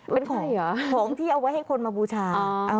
เป็นของของที่เอาไว้ให้คนมาบูชา